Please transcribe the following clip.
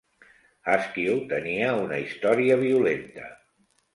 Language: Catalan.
Askew tenia una història violenta.